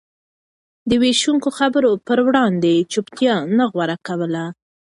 د وېشونکو خبرو پر وړاندې يې چوپتيا نه غوره کوله.